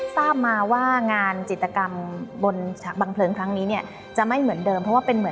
ทราบมาว่างานจิตกรรมบนฉากบังเผลินครั้งนี้จะไม่เหมือนเดิม